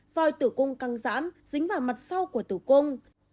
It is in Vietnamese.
vòi tử cung căng rãn dính vào mặt sau của tử cung